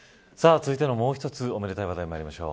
続いての、もう一つおめでたい話題いきましょう。